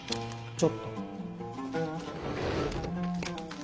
ちょっと。